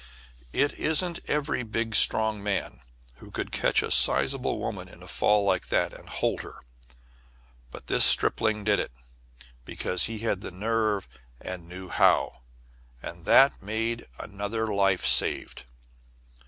It isn't every big strong man who could catch a sizable woman in a fall like that and hold her, but this stripling did it, because he had the nerve and knew how. And that made another life saved.